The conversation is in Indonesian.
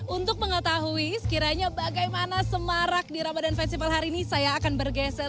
untuk mengetahui sekiranya bagaimana semarak di ramadan festival hari ini saya akan bergeser